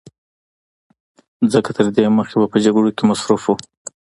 ځکه تر دې مخکې به په جګړو کې مصروف و